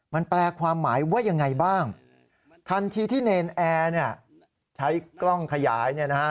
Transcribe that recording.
มันแปลความหมายว่ายังไงบ้างทันทีที่เนรนแอร์เนี่ยใช้กล้องขยายเนี่ยนะฮะ